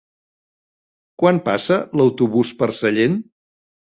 Quan passa l'autobús per Sallent?